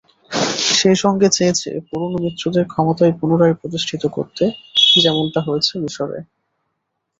সেই সঙ্গে চেয়েছে পুরোনো মিত্রদের ক্ষমতায় পুনঃপ্রতিষ্ঠিত করতে, যেমনটা হয়েছে মিসরে।